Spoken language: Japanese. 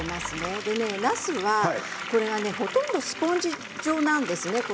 なすはスポンジ状なんですね